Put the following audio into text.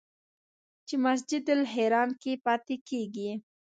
چې مسجدالحرام کې پاتې کېږي.